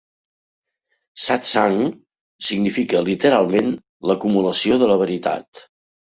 Satsang significa literalment l'acumulació de la veritat.